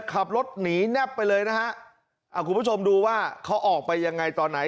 ขับรถหนีแนบไปเลยนะฮะอ่าคุณผู้ชมดูว่าเขาออกไปยังไงตอนไหน